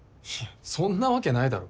そんなわけないだろ。